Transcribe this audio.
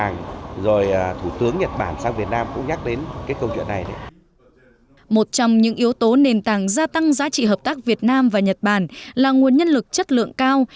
một trong những yếu tố nền tảng gia tăng giá trị hợp tác việt nam và nhật bản là nguồn nhân lực chất lượng cao